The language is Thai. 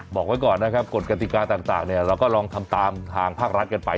บอกไว้ก่อนนะครับกฎกติกาต่างเราก็ลองทำตามทางภาครัฐกันไป